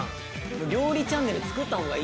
料理チャンネル作った方がいいで。